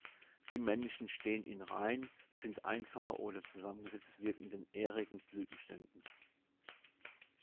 Die männlichen stehen in rein sind einfache oder zusammengesetzt wirkenden, ährigen Blütenständen.